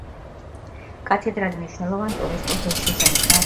კათედრალი მნიშვნელოვან ტურისტულ ღირსშესანიშნაობას წარმოადგენს.